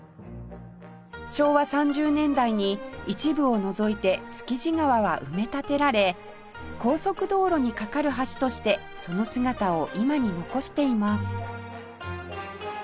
昭和３０年代に一部を除いて築地川は埋め立てられ高速道路に架かる橋としてその姿を今に残しています